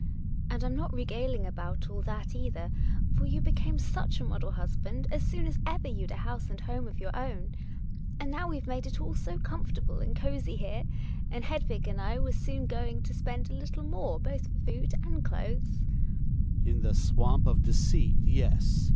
And I'm not regaling about all that either; for you became such a model husband as soon as ever you'd a house and home of your own. And now we've made it all so comfortable and cosy here ; and Hedvig and I were soon going to spend a little more both for food and clothes. Hjalmar. In the swa mp of decei t, yes